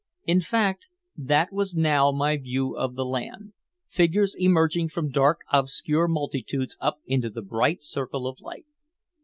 In fact, that was now my view of the land, figures emerging from dark obscure multitudes up into a bright circle of light.